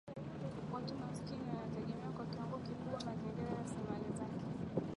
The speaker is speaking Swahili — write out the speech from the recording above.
Watu maskini wanategemea kwa kiwango kikubwa Mazingira na rasilimali zake